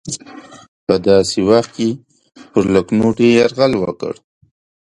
په داسې وخت کې پر لکهنوتي یرغل وکړ.